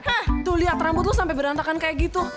ah tuh lihat rambut lo sampai berantakan kayak gitu